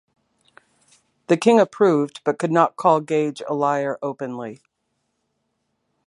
The king approved, but could not call Gage a liar openly.